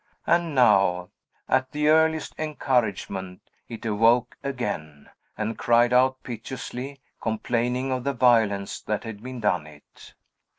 And now, at the earliest encouragement, it awoke again, and cried out piteously, complaining of the violence that had been done it.